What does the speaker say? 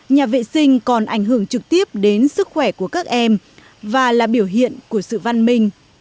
nhà vệ sinh còn ảnh hưởng trực tiếp đến sức khỏe của các em và là biểu hiện của sự văn minh